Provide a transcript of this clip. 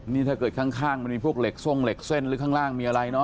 นี่ถ้าเกิดข้างมันมีพวกเหล็กทรงเหล็กเส้นหรือข้างล่างมีอะไรเนาะ